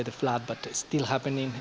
tapi itu masih berlaku